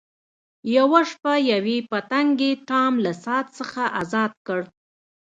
یوه شپه یوې پتنګې ټام له ساعت څخه ازاد کړ.